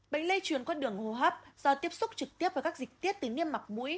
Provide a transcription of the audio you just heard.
bệnh lây chuyển có đường hô hấp do tiếp xúc trực tiếp với các dịch tiết tính niêm mặc mũi